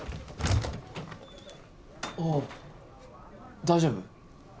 あっ大丈夫？